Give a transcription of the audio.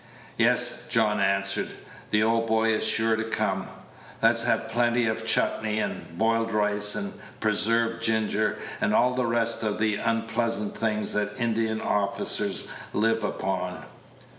"Yes," John answered, "the old boy is sure to come. Let's have plenty of chutnee, and boiled rice, and preserved ginger, and all the rest of the unpleasant things that Indian officers live upon.